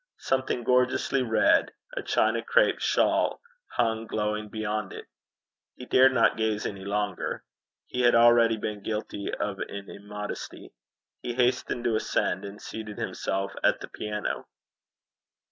Something gorgeously red, a China crape shawl, hung glowing beyond it. He dared not gaze any longer. He had already been guilty of an immodesty. He hastened to ascend, and seated himself at the piano.